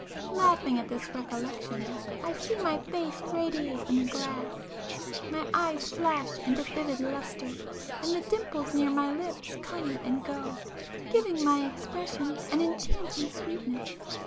Laughing at this recollection, I see my face radiate in the glass,—my eyes flash into vivid lustre, and the dimples near my lips come and go, giving my expression an enchanting sweetness.